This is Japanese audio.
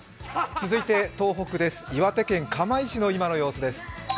続いて東北です、岩手県釜石市の今の様子です。